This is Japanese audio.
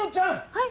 はい？